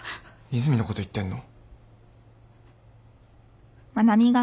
和泉のこと言ってんの？